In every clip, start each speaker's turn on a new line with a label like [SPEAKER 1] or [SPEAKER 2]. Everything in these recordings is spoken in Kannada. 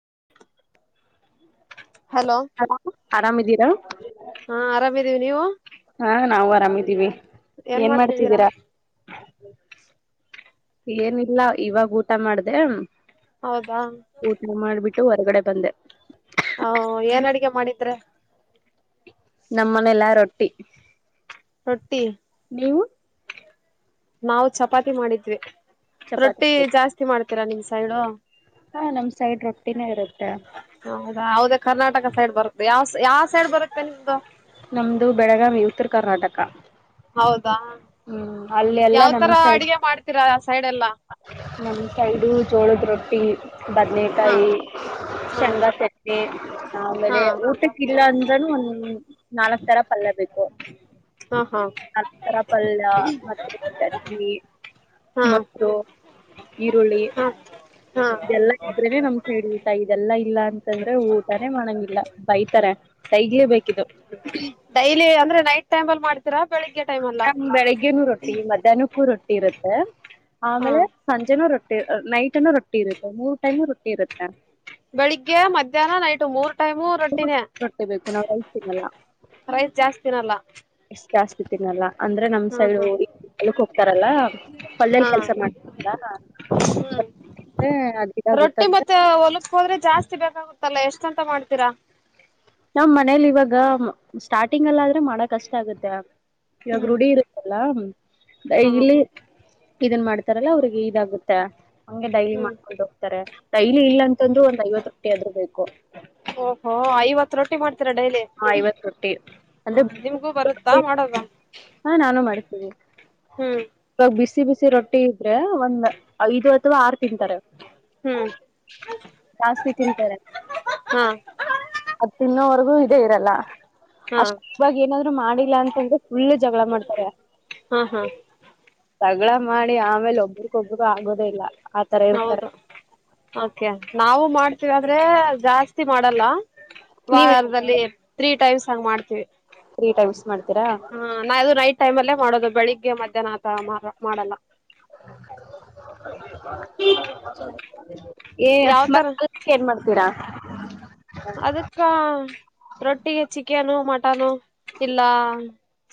[SPEAKER 1] [inaudible] ಹಲೋ ಹಾ ಆರಾಮಿದೀವಿ ನೀವು
[SPEAKER 2] ಹಾ ನಾವು ಆರಾಮಿದ್ದೀವಿ ಏನ್ ಮಾಡ್ತಿದ್ದೀರಾ ಏನಿಲ್ಲ ಇವಾಗ ಊಟ ಮಾಡ್ದ
[SPEAKER 1] ಹೌದಾ
[SPEAKER 2] ಊಟ ಮಾಡ್ಬಿಟ್ಟು ಹೊರಗಡೆ ಬಂದೆ
[SPEAKER 1] ಹ ಏನ್ ಅಡಿಗೆ ಮಾಡಿದ್ರೆ
[SPEAKER 2] ನಮ್ಮನೆ ಎಲ್ಲಾ ರೊಟ್ಟಿ
[SPEAKER 1] ರೊಟ್ಟಿ
[SPEAKER 2] ನೀವು
[SPEAKER 1] ನಾವು ಚಪಾತಿ ಮಾಡಿದ್ವಿ ರೊಟ್ಟಿ
[SPEAKER 2] ಚಪಾತಿ
[SPEAKER 1] ಜಾಸ್ತಿ ಮಾಡ್ತೀರಾ ನಿಮ್ ಸೈಡು
[SPEAKER 2] ಹಾ ನಮ್ ಸೈಡ್ ರೊಟ್ಟಿನೇ ಇರುತ್ತೆ
[SPEAKER 1] ಹೌದಾ ಹೌದೇ ಕರ್ನಾಟಕ ಸೈಡ್ ಬರ್ ಯಾವ ಯಾವ ಸೈಡ್ ಬರುತ್ತೆ ನಿಮ್ದು
[SPEAKER 2] ನಮ್ದು ಬೆಳಗಾವಿ ಉತ್ತರ ಕರ್ನಾಟಕ
[SPEAKER 1] ಹೌದಾ
[SPEAKER 2] ಹ್ಮ್ ಅಲ್ಲಿ ಎಲ್ಲ
[SPEAKER 1] ಯಾವ್ ತರ
[SPEAKER 2] ನಮ ಸೈಡ್
[SPEAKER 1] ಅಡಿಗೆ ಮಾಡ್ತೀರಾ ಆ ಸೈಡ್ ಎಲ್ಲಾ
[SPEAKER 2] ನಮ ಸೈಡು ಜೋಳದ್ರ
[SPEAKER 1] ಹಾ
[SPEAKER 2] ಬದನಕಾಯಿ
[SPEAKER 1] ಹಾ
[SPEAKER 2] ಶೆಂಗಾ ಸೆತ್ತೆ
[SPEAKER 1] ಹಾ
[SPEAKER 2] ಆಮೇಲೆ ಊಟಕ್ಕ ಇಲ್ಲ ಅಂದ್ರನು ಒಂದ್ ನಾಲ್ಕ್ ತರ ಪಲ್ಲ ಬಕ್ಕೋ
[SPEAKER 1] ಹಾ ಹಾ
[SPEAKER 2] ಪಲ್ಯ ಮತ್ತೆ ಚಟ್ನಿ
[SPEAKER 1] ಹಾ
[SPEAKER 2] ಮತ್ತು ಈರುಳ್ಳಿ
[SPEAKER 1] ಹಾ ಹಾ
[SPEAKER 2] ಇ್ರನೆ ನಮ್ ಸೈಡ್ ಊಟ ಇದೆಲ್ಲಾ ಇಲ್ಲ ಅಂತಂದ್ರೆ ಊಟಾನೇ ಮಾಡಂಗಿಲ್ಲ ಬೈತಾರೆ ತೈಗ್ಲೇ ಬು
[SPEAKER 1] ಡೈಲಿ ಅಂದ್ರೆ ನೈಟ್ ಟೈಮ್ ಅಲ್ಲಿ ಮಾಡ್ತೀರಾ ಬೆಳಿಗ್ಗೆ ಟೈಮ್ ಅಲ್ಲ
[SPEAKER 2] ಬೆಳಿಗ್ಗೆನೂ ರೊಟ್ಟಿ ಮಧ್ಯಾಹ್ನಕ್ಕೂ ರೊಟ್ಟಿ ಇರುತ್ತೆ
[SPEAKER 1] ಹಾ
[SPEAKER 2] ಆಮೇಲೆ ಸಂಜೆನೂ ರೊಟ್ಟಿ ನೈಟ್ನ್ನು ರೊಟ್ಟಿ ಇರುತ್ತೆ ಮೂರ್ ಟೈಮು ರೊಟ್ಟಿ ಇರುತ್ತೆ
[SPEAKER 1] ಬೆಳಿಗ್ಗೆ ಮಧ್ಯಾಹ್ನ ನೈಟ್ ಮೂರ್ ಮೋರ್ ಟೈಮು ರೊಟ್ಟಿನೇ
[SPEAKER 2] ರೊಟ್ಟಿ ಬೇಕು ನಾವ್ ತಿನ್ನಲ್ಲ
[SPEAKER 1] ರೈಸ್ ಜಾಸ್ತಿನಲ್ಲ
[SPEAKER 2] ಎಷ್ಟ್ ಜಾಸ್ತಿ ತಿನ್ನಲ್ಲ ಅಂದ್ರೆ ನಮ್ ಸೈಡುಕ್ ಹೋಗ್ತಾರಲ್ಲ ಒಲ್ಲ್
[SPEAKER 1] ಹಾ
[SPEAKER 2] ಕೆಲ್ಸ ಮಾಡ್ತಾರ
[SPEAKER 1] ಹ್ಮ್
[SPEAKER 2] ಅದಕ್ಕ
[SPEAKER 1] ರೊಟ್ಟಿ
[SPEAKER 2] ಆಗತ್ತಂದ
[SPEAKER 1] ಮತ್ತೆ ಹೊಲಕ್ ಹೋದ್ರೆ ಜಾಸ್ತಿ ಬೇಕಾಗುತ್ತಲ್ಲ ಎಷ್ಟಂತ ಮಾಡ್ತೀರಾ
[SPEAKER 2] ನಮ್ಮ್ ಮನೇಲಿ ಇವಾಗ ಸ್ಟಾರ್ಟಿಂಗ್ ಅಲ್ಲ್ರ ಮಾಡ ಕಷ್ಟ ಆಗುತ್ತೆ ಇವಾಗ
[SPEAKER 1] ಹ್ಮ್
[SPEAKER 2] ರೂಢಿ ಇರುತ್ತಲ್ಲ
[SPEAKER 1] ಹಾ
[SPEAKER 2] ಇಲ್ಲಿ ಇದನ್ ಮಾಡ್ತಾರಲ್ಲ ಅವ್ರಿಗೆ ಇದಾಗುತ್ತೆ ಹಂಗೆ ಡೈಲಿ
[SPEAKER 1] ಹ್ಮ್
[SPEAKER 2] ಮಾಡ್ಕೊಂಡು ಹೋಗ್ತಾರೆ ಡೈಲಿ ಇಲ್ಲ ಅಂತಂದ್ರರು ಒಂದ್ ಐವತ್ತು ರೊಟಿ ಆದ್ ಬೇಕು
[SPEAKER 1] ಓಹೋ ಇಐವತ್ತು ಡೈಲಿ
[SPEAKER 2] ಆ ಐವತ್ ರೊಟ್ಟಿ
[SPEAKER 1] ಹ
[SPEAKER 2] ಅಂದ್ರೆ
[SPEAKER 1] ನಿಮಗೂ ಬರುತ್ತಾ ಮಾಡದ
[SPEAKER 2] ಹಾ ನಾನು ಮಾಡುತೀನಿ ಇವಾಗ ಬಿಸಿ ಬಿಸಿ ರೊಟ್ಟಿ ಮಾಡಿದ್ರೆ ಒಂದ ಐದು ಅಥವಾ ಆರು ತಿಂತಾರೆ
[SPEAKER 1] ಹ್ಮ್
[SPEAKER 2] ಜಾಸ್ತಿ ತಿಂತಾರೆ
[SPEAKER 1] ಹಾ ಹಾ
[SPEAKER 2] ಅದು ತಿನ್ನೋವರ್ಗೂ ಇದೇ ಇರಲ್ಲ ಅಷ್ಟ
[SPEAKER 1] ಹಾ
[SPEAKER 2] ಇವಾಗ ಏನಾದ್ರು ಮಾಡಿಲ್ಲ ಅಂತಂದ್ರೆ ಫುಲ್ ಜಗಳ ಮಾಡ್ತಾರೆ
[SPEAKER 1] ಹಾ
[SPEAKER 2] ಜಗಳ ಮಾಡಿ ಆಮೇಲೆ ಒಬ್ರಗೊಬ್ರಗೂ ಆಗೋದೇ ಇಲ್ಲ ಆತರ ಇರ್ತಾರೆ
[SPEAKER 1] ಹೌದು ಓಕೆ ನಾವು ಮಾಡ್ತೀವಿ ಆದ್ರೆ ಜಾಸ್ತಿ ಮಾಡಲ್ಲ
[SPEAKER 2] ನೀವ್
[SPEAKER 1] ವಾರದಲ್ಲಿ ತ್ರೀ ಟೈಮ್ಸ್ ಹಂಗ ಮಾಡ್ತೀವಿ
[SPEAKER 2] ತ್ರೀ ಟೈಮ್ಸ್ ಮಾಡ್ತೀರಾ
[SPEAKER 1] ಹಾ ಅದು ನೈಟ್ ಟೈಮ್ ಅಲ್ಲೇ ಮಾಡೋದು ಬೆಳಿಗ್ಗೆ ಮಧ್ಯಾಹ್ನ ಆತರಮಾಡಲ್ಲ
[SPEAKER 2] [inaudible] ಹೇ
[SPEAKER 1] ಯಾವ್ತರ
[SPEAKER 2] ಮತ್ ಊಟಕ್ಕೆ ಏನ್ ಮಾಡ್ತೀರಾ
[SPEAKER 1] ಅದಕ್ಕ ರೊಟ್ಟಿಗೆ ಚಿ ಕ್ಕನು ಮಟನ್ ಇಲ್ಲ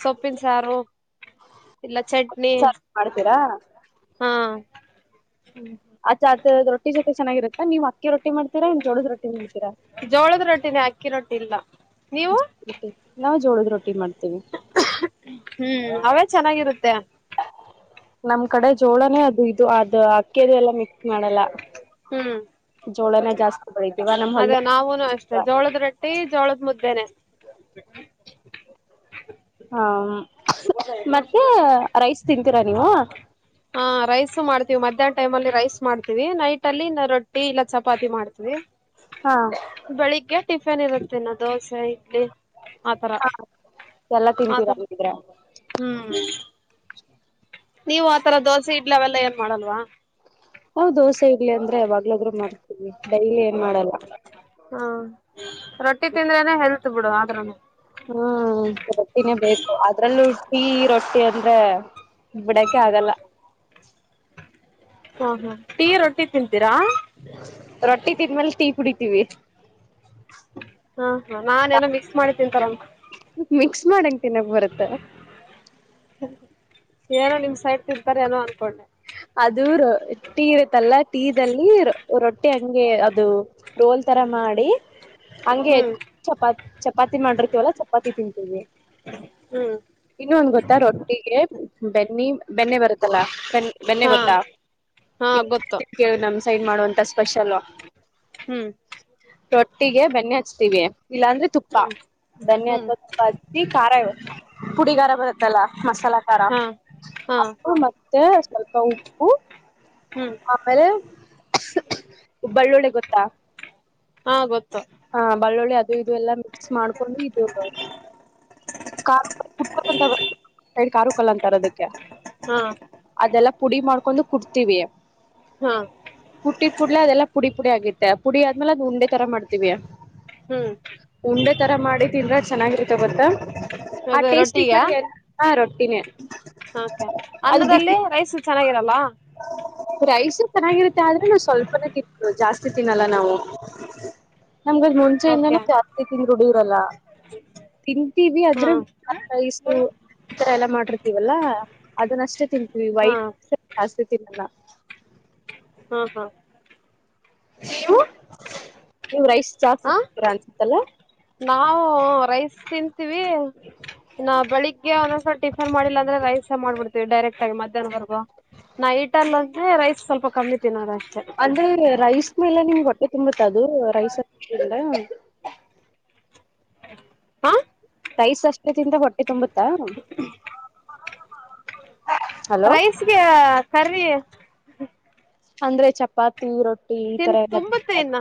[SPEAKER 1] ಸೊಪ್ಪಿನ ಸಾರು ಇಲ್ಲ ಚಟ್ನಿ
[SPEAKER 2] ಸಾರ್ ಮಾಡ್ತೀರಾ
[SPEAKER 1] ಹಾ
[SPEAKER 2] ಹ್ಮ್ ಅದ ರೊಟ್ಟಿ ಜೊತೆ ಚೆನ್ನಾಗಿರುತ್ತಾ ನೀವ ಅಕ್ಕಿ ರೊಟ್ಟಿ ಮಾಡ್ತೀರಾ ಇಲ್ಲ ಜೋಲಾದ್ ರೊಟ್ಟಿ ಮಾಡ್ತೀರಾ
[SPEAKER 1] ಜೋಳದ ರೊಟ್ಟಿನೆ ಅಕ್ಕಿ ರೊಟ್ಟಿ ಇಲ್ಲ ನೀವು
[SPEAKER 2] ರೊಟ್ಟಿ ನಾವು ಜೋಳದ ರಟ್ಟಿ ಮಾಡ್
[SPEAKER 1] ಹ್ಮ್ ಅವೇ ಚೆನ್ನಾಗಿರುತ್ತೆ
[SPEAKER 2] ನಮ್ ಕಡೆ ಜೋಳನೇ ಅದು ಇದು ಅದ ಅಕ್ಕಿದು ಎಲ್ಲ ಮಿಕ್ಸ್ ಮಾಡಲ್ಲ
[SPEAKER 1] ಹ್ಮ್
[SPEAKER 2] ಜೋಳನ ಜಾಸ್ತಿ ಬೆಳಿತೀವ ನಮ್
[SPEAKER 1] ಅದೇ
[SPEAKER 2] ಹೊಲ್ದ
[SPEAKER 1] ನಾವೂನು ಅಷ್ಟೇ ಜೋಳದ ರೊಟ್ಟಿ ಜೋಳದ ಮುದ್ದೆನೆ
[SPEAKER 2] ಹ ಮತ್ತೆ ರೈಸ್ ತಿಂತೀರಾ ನೀವು
[SPEAKER 1] ಹಾ ರೈಸು ಮಾಡ್ತೀವಿ ಮಧ್ಯಾಹ್ನ ಟೈಮ್ ಅಲ್ಲಿ ರೈಸ್ ಮಾಡ್ತೀವಿ ನೈಟ್ ಅಲ್ಲಿ ರೊಟ್ಟಿ ಇಲ್ಲ ಚಪಾತಿ ಮಾಡ್ತವಿ
[SPEAKER 2] ಹಾ
[SPEAKER 1] ಬೆಳಿಗ್ಗೆ ಟಿಫಿನ್ ಇರುತ್ತೆನಾ ದೋಸೆ ಇಡ್ಲಿ ಆತರ
[SPEAKER 2] ಎಲ್ಲಾ ತಿಂತೀರಾ
[SPEAKER 1] ಆತರ
[SPEAKER 2] ಅಂತಿದ್ರೆ
[SPEAKER 1] ಹ್ಮ್ ನೀವು ಆತರ ದೋಸೆ ಇಡ್ಲ ಆತರ ಏನ್ ಮಾಡಲ್ವ
[SPEAKER 2] ನಾವ್ ದೋಸೆ ಇಡ್ಲಿ ಅಂದ್ರೆ ಯಾವಾಗ್ಲಾದ್ರರು ಮಾಡಾರ್ತೀವಿ ಡೈಲಿ ಏನ್ ಮಾಡಲ್ಲ
[SPEAKER 1] ಹಾ ರೊಟ್ಟಿ ತಿಂದ್ರೇನೆ ಹೆಲ್ತ್ ಬಿಡು ಆದ್ರೂನು
[SPEAKER 2] ಹ್ಮ್ ರೊಟ್ಟಿನೇ ಬೇಕು ಅದ್ರಲ್ಲೂಟ್ಟಿ ರೊಟ್ಟಿ ಅಂದ್ರೆ ಬಿಡಕ್ಕೆ ಆಗಲ್ಲ
[SPEAKER 1] ಹಾ ಹಾ ಟೀ ರೊಟ್ಟಿ ತಿಂತೀರಾ
[SPEAKER 2] ರೊಟ್ಟಿ ತಿದ್ಮೇಲೆ ಟೀ ಕುಡಿತೀವಿ
[SPEAKER 1] ಹಾ ಹ ನಾನ್ ಏನೋ ಮಿಕ್ಸ್ ಮಾಡಿ ತಿಂತಾರೇ ಅಂತ
[SPEAKER 2] ಮಿಕ್ಸ್ ಮಾಡಿ ಎಂಗ್ ತಿನ್ನಕ್ ಬರುತ್ತೆ
[SPEAKER 1] ಏನೋ ನಿಮ್ ಸೈಟ್ ತಿಂತಾರೇನೋ ಅನ್ಕೊಂಡೆ
[SPEAKER 2] ಅದೂಟೀ ಇರುತ್ತಲ್ಲ ಟೀದಲ್ಲಿ ಇರು ರೊಟ್ಟಿ ಹಂಗೆ ಅದು ರೋಲ್ ತರ ಮಾಡಿ ಹಂಗೆ
[SPEAKER 1] ಹ್ಮ್
[SPEAKER 2] ಚಪಾತಿ ಚಪಾತಿ ಮಾಡಿರ್ತಿವಲ್ಲ ಚಪಾತಿ ತಿಂತೀವಿ
[SPEAKER 1] ಹ್ಮ್
[SPEAKER 2] ಇನ್ನು ಒಂದ್ ಗೊತ್ತಾ ರೊಟ್ಟಿಗೆ ಬೆನ್ನಿ ಬೆನ್ನೆ ಬರುತ್ತಲ್ಲ ಬೆ ಬೆಣ್ಣೆ
[SPEAKER 1] ಹಾ
[SPEAKER 2] ಗೊತ್ತಾ
[SPEAKER 1] ಹಾ ಗೊತ್ತು
[SPEAKER 2] ಕೇಳ ನಮ್ ಸೈನ್ ಮಾಡುವಂತ ಸ್ಪೆಷಲ್
[SPEAKER 1] ಹ್ಮ್
[SPEAKER 2] ರೊಟ್ಟಿಗೆ ಬೆನ್ನೆ ಹಚ್ತೀವಿ ಇಲ್ಲಾಂದ್ರೆ ತುಪ್ಪ
[SPEAKER 1] ಹ್ಮ್
[SPEAKER 2] ಬೆನ್ನೆ
[SPEAKER 1] ಹ್ಮ್
[SPEAKER 2] ಹಚ್ಚುವ ತುಪ್ಪ ಹಚ್ಚಿ ಖಾರ ಇ ಪುಡಿ ಖಾರ ಬರುತ್ತಲ್ಲ ಮಸಾಲಾ ಖಾರ
[SPEAKER 1] ಹಾ ಹಾ
[SPEAKER 2] ಮತ್ತೆ ಸ್ವಲ್ಪ ಉಪ್ಪು
[SPEAKER 1] ಹ್ಮ್
[SPEAKER 2] ಆಮೇಲೆ ಬೇಳ್ಳುಳ್ಳಿ ಗೊತ್ತಾ
[SPEAKER 1] ಹಾ ಗೊತ್ತ
[SPEAKER 2] ಹಾ ಬೇಳ್ಳುಳ್ಳಿ ಅದು ಇದು ಎಲ್ಲ ಮಿಕ್ಸ್ ಮಾಡ್ಕೊಂಡು ಇದು ಖಾರ ನಮ್ಮ ಸೈಡ್ ಕಾರುಕಲ್ಲ ಅಂತಾರ ಅದಕ್ಕೆ
[SPEAKER 1] ಹಾ
[SPEAKER 2] ಅದೆಲ್ಲ ಪುಡಿ ಮಾಡ್ಕೊಂಡು ಕುಟ್ಟುತೀವಿ
[SPEAKER 1] ಹಾ
[SPEAKER 2] ಕುಟ್ಟಿದ್ ಕುಡ್ಲೆ ಅದೆಲ್ಲ ಪುಡಿ ಪುಡಿ ಆಗಿ ಪುಡಿ ಆದ್ಮೇಲೆ ಅದು ಉಂಡೆ ತರ ಮಾಡ್ತೀವಿ
[SPEAKER 1] ಹ್ಮ್
[SPEAKER 2] ಉಂಡೆ ತರ ಮಾಡಿದ್ದನ್್ರ ಚೆನ್ನಾಗಿರುತ ಗೊತ್ತಾ ಆ
[SPEAKER 1] ಅದೇ
[SPEAKER 2] ಟೇಸ್ಟಿ ಈ ಕಡೆ ಎಲ್ಲ ಹಾ ರೊಟ್ಟಿನೇ
[SPEAKER 1] ಹಕೆ
[SPEAKER 2] ಅದು ಬಿಸಿ
[SPEAKER 1] ಅನ್ನದಲ್ಲಿ ರೈಸು ಚೆನ್ನಾಗಿರಲ್ಲ
[SPEAKER 2] ಪ್ರೈಸ ಚೆನ್ನಾಗಿರುತ್ತೆ ಆದ್ರೆ ನಾವು ಸ್ವಲ್ಪನೆೇ ತಿನ್ ಜಾಸ್ತಿ ತಿನ್ನಲ್ಲ ನಾವು ನಮ್ಗ ಮುಂಚೆಯಿಂದಾನ
[SPEAKER 1] ಓಕೆ
[SPEAKER 2] ಜಾಸ್ತಿ ತಿಂದ್ ುಡಿಯರಲ್ಲ ತಿಂತೀವಿ
[SPEAKER 1] ಹಾ
[SPEAKER 2] ಅದ್ರಷ್ಟು
[SPEAKER 1] ಹಾ
[SPEAKER 2] ಎಲ್ಲ ಮಾಡಿರ್ತಿೀವಲ್ಲಾ ಅದನ್ನ ಅಷ್ಟೇ ತಿಂತೀವಿ ವೈಟ್ ಆಸ್ತತಿನಲ್ಲ
[SPEAKER 1] ಹಾ ಹಾ
[SPEAKER 2] ನೀಮ್ ರೈಸ್
[SPEAKER 1] ಹ
[SPEAKER 2] ಜಾಸ್ತಿತರ ಅನ್ಸತ್ತಲ್ಲ
[SPEAKER 1] ವಯಸ್ ತಿಂತೀವಿ ನಾ ಬೆಳಿಗ್ಗೆ ಒಂದ್ಸ ಟಿಫನ್ ಮಾಡಿಲ್ಲ ಅಂದ್ರೆ ರೈಸ್ ಮಾಡ್ಬಿಡ್ತೀವಿ ಡೈರೆಕ್ ಆಗ ಮಧ್ಯಾಹ್ನವಗೂ ನೈಟಲ್ಲ ಅಂದ್ರೆ ರೈಸ್ ಸ್ವಲ್ಪ ಕಮ್ಮಿತ ನೋಡ ಅಷ್ಟೆ
[SPEAKER 2] ಎಲ್ಲಾ ನಿಮ್ಗೆ ಹೊಟ್ಟೆ ತುಂಬತ್ತ ಅದು ರೈಸ್ ಎಲ್ಲ
[SPEAKER 1] ಹಾ
[SPEAKER 2] ರೈಸ್ ಅಷ್ಟೇ ತಿಿಂದ ಹೊಟ್ಟೆ ತುಂಬುತ್ತಾ ಹಲೋ
[SPEAKER 1] ರೈಸ್ಗೆ ಕರಿವಿ
[SPEAKER 2] ಅಂದ್ರೆ ಚಪಾತಿ ರೊಟ್ಟಿ ಈ ತರ ಎಲ್ಲ
[SPEAKER 1] ತುಂಬುತ್ತೆ ಇನ್ನ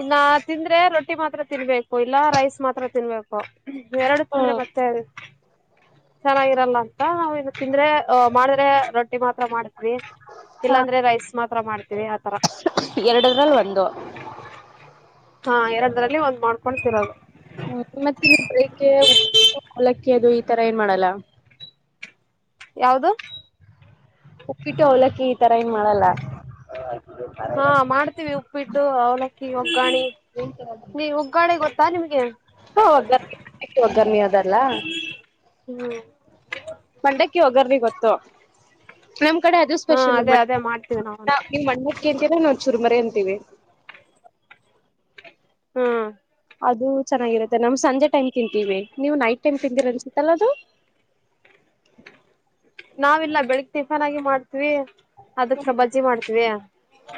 [SPEAKER 1] ಇನ್ನ ತಿಂದ್ರೆ ರೊಟ್ಟಿ ಮಾತ್ರ ತಿನ್ಬೇಕು ಇಲ್ಲ ರೈಸ್ ಮಾತ್ರ ತಿನ್ಬೇಕು ಎರಡು ತಿಂದ್ರೆ ಮತ್ತ್ರ ಚೆನ್ನಾಗಿರಲ್ಲ ಅಂತ ನಾವವು ಇನ್ನು ತಿಂದ್ರೆ ಮಾಡಿದ್ರೆ ರೊಟ್ಟ ರೊಟ್ಟಿ ಮಾತ್ರ ಮಾಡ್ತೀವಿ
[SPEAKER 2] ಹ
[SPEAKER 1] ಇಲ್ಲಾಂದ್ರೆ ರೈಸ್ ಮಾತ್ರ ಮಾಡ್ತೀವಿ ಆತರ
[SPEAKER 2] ಹಂದ
[SPEAKER 1] ಹಾ ಎರಡರಲ್ಲಿ ಒಂದ್ ಮಾಡ್ಕೊತಿರೋದು
[SPEAKER 2] ಹ್ಮ ಮತ್ತೆ ಬೆಳ ಉ ಹಲಕ್ಕಿ ಅದು ಈ ತರ ಏನ್ ಮಾಡಲ್ಲ ಹ
[SPEAKER 1] ಯಾವ್ದ
[SPEAKER 2] ಉಕ್ಕಿಟ್ಟು ಅವಲಕ್ಕಿ ಈ ತರ ಏನ್ ಮಾಡಲ್ಲ
[SPEAKER 1] ಹಾ ಮಾಡ್ತೀವಿ ಉಪ್ಪಿಟ್ಟು ಅವಲಕ್ಕಿ ಒಗ್ಗಾಣಿ
[SPEAKER 2] ಏನ್ ತಗೊಂಡಿ
[SPEAKER 1] ನೀ ಒಗ್ಗಾಣೆ ಗೊತ್ತಾ ನಿಮಗೆ
[SPEAKER 2] ಹಾ ಒಗ್ಗರ್ ಒಗ್ಗರ್ಮಿ ಅದಲ್ಲ
[SPEAKER 1] ಹ್ಮ್
[SPEAKER 2] ಮಂಡಕ್ಕಿ ಒಗರ್ಿ ಗೊತ್ತು ನಮ್ಮ್ ಕಡೆ ಅದು
[SPEAKER 1] ಹಾ
[SPEAKER 2] ಸ್ಪೆಷಲ್ಲ
[SPEAKER 1] ಅದೇ ಅದೇ ಮಾಡ್ತೀವಿ ನಾವನು
[SPEAKER 2] ಮಣ್ಣ ನೀವು ಮಣ್ಣೂ ಎಂತೀವಿ ನಾವು ಚುರ್ಮರ ಎಂತೀವಿ
[SPEAKER 1] ಹಾ
[SPEAKER 2] ಅದು ಚೆನ್ನಾಗಿರುತ್ತೆ ನಮ್ ಸಂಜೆ ಟೈಮ್ ತಿಂತೀವಿ ನೀವು ನೈಟ್ ಟೈಮ್ ತಿಂದಿರ ಅನ್ಸತ್ತಲ್ಲ ಅದು ಹ
[SPEAKER 1] ನಾವಿಲ್ಲಾ ಬೆಳಿಗ್ ಟಿಫನ್ ಆಗಿ ಮಾಡ್ತವಿ ಅದಕ್ಕೆ ಬಜ್ಜಿ ಮಾಡ್ತವಿ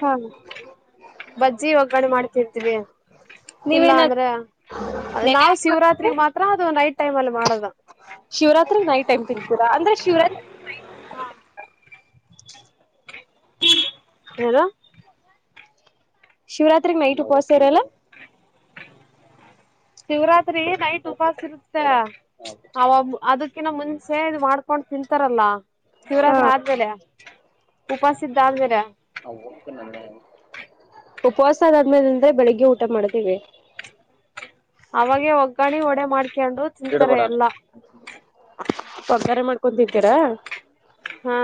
[SPEAKER 2] ಹಾ
[SPEAKER 1] ಬಜ್ಜಿ ಒಗ್ಗರಣ ಮಾಡ್ತಿರ್ತೀವಿ ಇಲ್ಲ
[SPEAKER 2] ನೀವೇನ
[SPEAKER 1] ಅಂದ್ರೆ ಅ
[SPEAKER 2] ನೆನೆ
[SPEAKER 1] ನಾವು
[SPEAKER 2] ಹಾಕೊಂಡ
[SPEAKER 1] ಶಿವರಾತ್ ಮಾತ್ರ ಅದು ನೈಟ್ ಟೈಮ್ ಅಲ್ಲಿ ಮಾಡೋದು
[SPEAKER 2] ಶಿವರಾತ್ರಿ ನೈಟ್ ಟೈಮ್ ತಿನ್ತೀರಾ ಅಂದ್ರೆ ಶಿವರಾತ್ರಿ ಹ
[SPEAKER 1] ಹಾರೋ
[SPEAKER 2] ಶಿವರಾತ್ರಿಗ್ ನೈಟ್ ಉಪೋಸತರಲ್ಲ
[SPEAKER 1] ಶಿವರಾತ್ರಿ ನೈಟ್ ಉಪಾಸ ಇರುತ್ತೆ ಅವ ಅದ ಯಕಿನ ಮುಂಚೆ ಇದು ಮಾಡ್ಕೊಂಡ್ ತಿಂತಾರಲ್ಲ
[SPEAKER 2] ಹಾ
[SPEAKER 1] ಶಿವರಾತ್ರಿ ಆದ್ಮೇಲೆ ಉಪಾಸಿದ್ದ ಆದ್ಮೇರ
[SPEAKER 2] ಹ ಒಪ್ಪ ನನ್ನೆ ಉಪವಾಸ ಆದಾದ್ಮೇಲೆಿಂದ್ರೆ ಬೆಳಿಗ್ಗೆ ಊಟ ಮಾಡ್ತೀವಿ
[SPEAKER 1] ಅವಾಗೆ ಒಗ್ಗಾಣಿ ಒಡೆ ಮಾಡ್ತಿ
[SPEAKER 2] ಈಕಡೆ ಕೊಡಾ ಒಗ್ಗರೆ ಮಾಡ್ಕೊಂತಿತಿರಾ.
[SPEAKER 1] ಹಾ.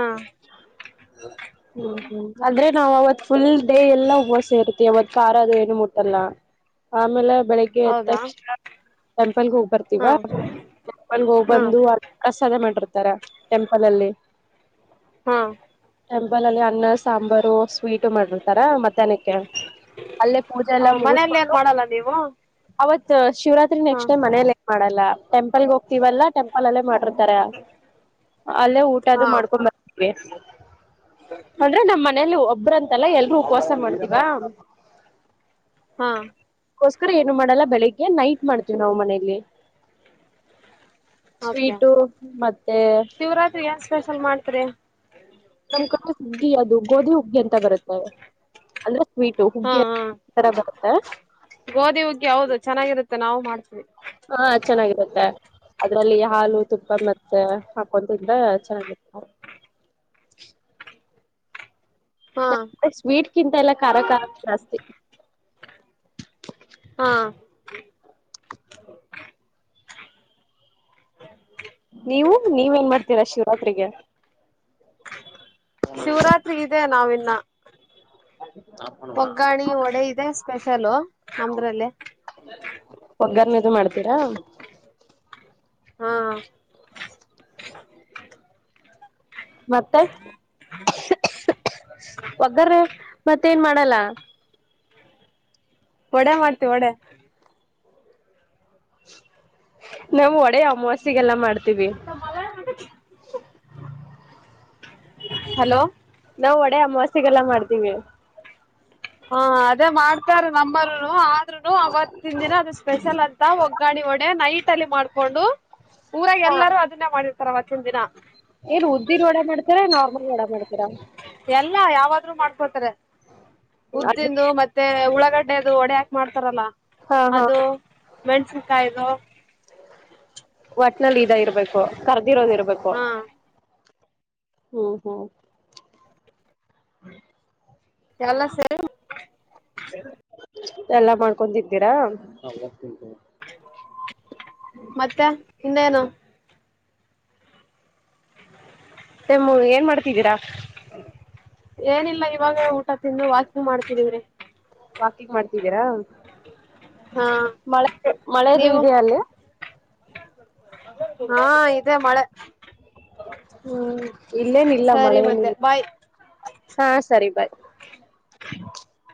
[SPEAKER 2] ಹ್ಮ್ ಹ್ಮ್ ಅಂದ್ರೆ ನಾವ್ ಅವತ್ ಫುಲ್ ಡೇ ಎಲ್ಲ ಉಪಸ ಇರ್ತಿ ಅವತ್ ಖಾರ್ ಅದು ಏನು ಮುಟ್ಟಲ್ಲ ಆಮೇಲೆ. ಬೆಳಗ್ಗೆ ಎದ್
[SPEAKER 1] ಹೌದಾ
[SPEAKER 2] ತಕ್ಷಣ. ಪ್ಪಲಗ ಹೋಗ್ ಬರ್ತೀವ
[SPEAKER 1] ಹಾ
[SPEAKER 2] ಪ್ಪಲಗ್ ಹೋಗಬಂದು ಕಸದ ಮಾಡ್ರಿ. ತರಾ ಟೆಂಪಲ್ ಲಲ್ಲಿ.
[SPEAKER 1] ಹಾ.
[SPEAKER 2] ಟೆಂಪಲ್ ಅಲ್ಲಿ ಅನ್ನ ಸಾಂಬಾರು ಸ್ವೀಟು ಮಾಡಿರ್ತಾರಾ ಮಧ್ಯಾಹ್ನಕ್ಕೆ. ಅಲ್ಲೇ ಪೂಜಾ ಎಲ್ಲಾ
[SPEAKER 1] ಮನೇಲಿ ಏನ್
[SPEAKER 2] ಮುಗಿಸಕೊಂಡು.
[SPEAKER 1] ಮಾಡಲ್ಲ ನೀವು
[SPEAKER 2] ಅವತ್ ಶಿವರಾತ್ರಿ
[SPEAKER 1] ಹಾ
[SPEAKER 2] ನೆಕ್ಸ್ಟ್ ಟೈಮ್ ಮನೇಲೆ. ಮಾಡಲ್ಲ ಟೆಂಪಲ್ ಹೋಗ್ತೀವಲ್ಲಾ ಟೆಂಪಲ್ ಅಲ್ಲೇ ಮಾಡಿರ್ತಾರೆ. ಅಲ್ಲೇ ಊಟ ಅದು
[SPEAKER 1] ಹಾ
[SPEAKER 2] ಮಾಡ್ಕೊಂಡ್ ಬರ್ತಿವಿ. ಅಂದ್ರೆ ನಮ್ಮ ಮನೇಲಿ ಒಬ್ರಂತಲ್ಲ ಎಲ್ರೂ ಉಪವಾಸ ಮಾಡ್ತೀವಾ.
[SPEAKER 1] ಹಾ.
[SPEAKER 2] ಕೋಸ್ಕರ ಏನು ಮಾಡಲ್ಲ ಬೆಳಿಗ್ಗೆ ನೈಟ್ ಮಾಡ್ತೀವಿ ನಾವ್ ಮನೇಲಿ.
[SPEAKER 1] ಓಕೆ
[SPEAKER 2] ಸ್ವೀಟು ಮತ್ತೆ.
[SPEAKER 1] ತ್ರೆ.
[SPEAKER 2] ನಮ್ ಕಡೆ ಹುಗ್ಗಿ ಅದು ಗೋಧಿ ಹುಗ್ಗಿ ಅಂತ ಬರುತ್ತೆ ಅಂದ್ರೆ. ಸ್ವೀಟು
[SPEAKER 1] ಹಾ
[SPEAKER 2] ಹುಗ್ಗಿ
[SPEAKER 1] ಹಾ
[SPEAKER 2] ತರ ಬರುತ್ತೆ
[SPEAKER 1] ಗೋದಿ ಹುಗ್ಗಿ ಹೌದು ಚೆನ್ನಾಗಿರುತ್ತೆ ನಾವು ಮಾಡತಿ.
[SPEAKER 2] ಹಾ ಚೆನ್ನಾಗಿರುತ್ತೆ. ಅದ್ರಲ್ಲಿ ಹಾಲು ತುಪ್ಪ ಮತ್ತೆ ಹಾಕೊಂತಿಂದ್ರೆ ಚೆನ್ನಾಗಿರುತ್ತೆ. [inaudible]
[SPEAKER 1] ಹಾ
[SPEAKER 2] ನಮ್ ಕಡೆ ಸ್ವೀಟ್ಕಿಂತ ಎಲ್ಲ ಖಾರ ಖಾರ ಜಾಸ್ತಿ.
[SPEAKER 1] ಹಾ.
[SPEAKER 2] ನೀವು ನೀವೇನ್ ಮಾಡ್ತೀರಾ ಶಿವರಾತ್ರಿ ಗೆ.
[SPEAKER 1] ಶಿವರಾತ್ರಿಗಿದೆ ನಾವಿನ್ನ. ವಗ್ಗರಣಿ ವಡೆ ಇದೆ ಸ್ಪೆಷಲು ನಂದ್ರಲ್ಲಿ.
[SPEAKER 2] ಒಗ್ಗರನಿದು ಮಾಡ್ತೀರಾ.
[SPEAKER 1] ಹಾ.
[SPEAKER 2] ಮತ್ತೆ. ಒಗ್ಗರಣೆ ಮತ್ತೇಏನ್ ಮಾಡಲ್ಲ.
[SPEAKER 1] ವಡೆ ಮಾಡ್ತೀವ ವಡೆ.
[SPEAKER 2] ನಾವ್ ಒಡೆೆ ಅಮವಾಸ್ಯೆಗೆಲ್ಲ ಮಾಡ್ತೀವಿ.
[SPEAKER 1] ಹಲೋ
[SPEAKER 2] [inaudible] ನಾವು ಒಡೆ ಅಮವಾಸ್ಯೆಗೆಲ್ಲ ಮಾಡ್ತೀವಿ.
[SPEAKER 1] ಹಾ ಆದ್. ಅದೇ ಮಾಡ್ತಾರೆ ನಮ್ಮರರು ಆದ್ರೂನು ಅವತ್ತಿನ ದಿನ ಅದು ಸ್ಪೆಷಲ್ ಅಂತ ಒಗ್ಗರಣಿ ವಡೆ ನೈಟ್. ತಲ್ಲಿ ಮಾಡ್ಕೊಂಡು ಊರಾಗ
[SPEAKER 2] ಹಾ
[SPEAKER 1] ಎಲ್ಲರೂ ಅದನ್ನೇ ಮಾಡಿರ್ತಾರ ಅವತ್ತಿನ ದಿನ.
[SPEAKER 2] ಏನ್ ಉದ್ದಿನ್ ವಡೆ ಮಾಡ್ತೀರಾ ನಾರ್ಮಲ್ ವಡಾ ಮಾಡ್ತೀರಾ.
[SPEAKER 1] ಎಲ್ಲಾ ಯಾವಾದ್ರು ಮಾಡ್ಕೊತಾರೆ
[SPEAKER 2] ಅದ
[SPEAKER 1] ಉದ್ದಿಂದು ಮತ್ತೆ ಉಳಾ. ಗಡ್ಡೆದು ಒಡೆ ಹಾಕ್ ಮಾಡ್ತಾರಲ್ಲ
[SPEAKER 2] ಹಾ ಹಾ
[SPEAKER 1] ಅದು
[SPEAKER 2] ಹಾ
[SPEAKER 1] ಮೆಣಸನ್ಕಾಯಿದು.
[SPEAKER 2] ಒಟ್ನಲ್ಲಿ ಇದ ಇರ್ಬೇಕು ಕರ್ದಿರೋದ ಇರ್ಬೇಕು.
[SPEAKER 1] ಹಾ
[SPEAKER 2] ಹ್ಮ ಹ್ಮ.
[SPEAKER 1] ಎಲ್ಲಾ ಸೇರಿ.
[SPEAKER 2] ಎಲ್ಲಾ ಮಾಡ್ಕೊಂಡತಿಂತೀರಾ.
[SPEAKER 1] ಮತ್ತೆ ಇನ್ನೇನು.
[SPEAKER 2] ನಿಮ್ಮು ಏನ್ ಮಾಡ್ತಿದ್ದೀರಾ.
[SPEAKER 1] ಏನಿಲ್ಲಾ ಇವಾಗ ಊಟಾ ತಿಂದು ವಾಕ.
[SPEAKER 2] ವಾಕಿಂಗ್ ಮಾಡ್ತಿದ್ದೀರಾ.
[SPEAKER 1] ಹಾ
[SPEAKER 2] ಮಳೆ ಮಳೆದು
[SPEAKER 1] ನೀವು
[SPEAKER 2] ಇದೆಯಾ ಅಲ್ಲಿ.
[SPEAKER 1] ಹಾ ಇದದೆ ಮಳೆ
[SPEAKER 2] ಹ್ಮ್ ಇಲ್ಲೇನಿಲ್ಲ ಮಳೆ
[SPEAKER 1] ಸರಿ ಮತ್ತೆ
[SPEAKER 2] ಏನಿಲ್ಲ
[SPEAKER 1] ಬಾಯ್
[SPEAKER 2] ಹಾ ಸರಿ ಬಾಯ್ ಹ
[SPEAKER 1] [inaudible]